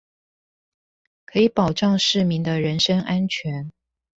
可以保障市民的人身安全